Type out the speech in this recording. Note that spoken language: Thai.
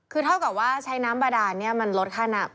คือเท่ากับว่าใช้น้ำบาดานมันลดค่าน้ำ